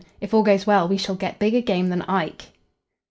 If all goes well we shall get bigger game than Ike."